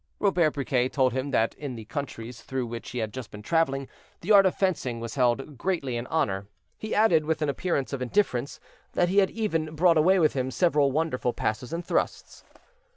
Robert Briquet told him that in the countries through which he had just been traveling, the art of fencing was held greatly in honor; he added, with an appearance of indifference, that he had even brought away with him several wonderful passes and thrusts.